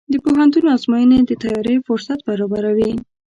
د پوهنتون ازموینې د تیاری فرصت برابروي.